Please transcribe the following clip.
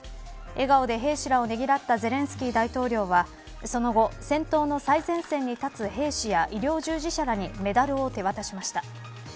笑顔で兵士らをねぎらったゼレンスキー大統領はその後、戦闘の最前線に立つ兵士や医療従事者らにメダルを手渡しました。